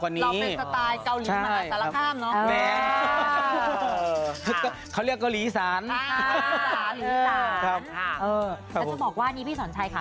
แล้วจะบอกว่านี้พี่สอนชัยค่ะ